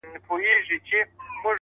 خدای به د وطن له مخه ژر ورک کړي دا شر؛